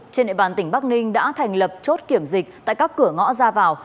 trên địa bàn tỉnh bắc ninh đã thành lập chốt kiểm dịch tại các cửa ngõ ra vào